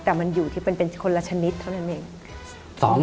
แต่มันอยู่ที่เป็นคนละชนิดเท่านั้นเอง